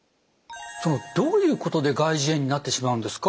どういうことで外耳炎になってしまうんですか？